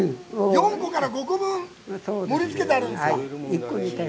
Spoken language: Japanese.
４個から５個分盛り付けてあるんですか！？